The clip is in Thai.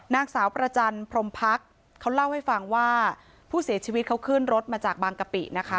นางสาวประจันพรมพักเขาเล่าให้ฟังว่าผู้เสียชีวิตเขาขึ้นรถมาจากบางกะปินะคะ